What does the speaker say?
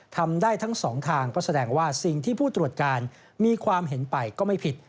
ทำได้ทั้งสองทางก็แสดงว่าสิ่งที่ผู้ตรวจการมีความเห็นไปก็ไม่ผิด